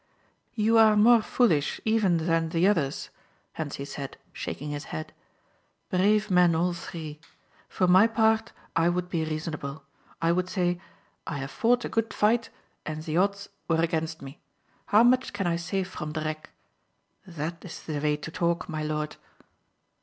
"You are more foolish even than the others," Hentzi said, shaking his head. "Brave men, all three. For my part I would be reasonable. I would say, 'I have fought a good fight and the odds were against me. How much can I save from the wreck?' That is the way to talk, my lord."